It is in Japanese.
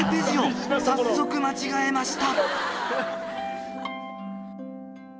早速間違えました。